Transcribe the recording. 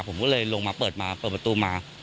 ผมก็เลยลงมาเปิดมาเปิดประตูมา